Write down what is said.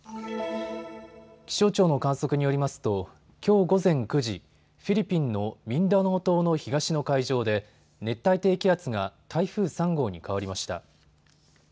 気象庁の観測によりますときょう午前９時、フィリピンのミンダナオ島の東の海上で熱帯低気圧が台風３号に変わりました。